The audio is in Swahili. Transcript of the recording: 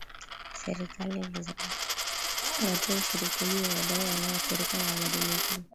Serikali ilizingatia ushirikishaji wa wadau wanaoathirika na mabadiliko